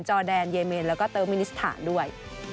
อแดนเยเมนแล้วก็เติร์กมินิสถานด้วย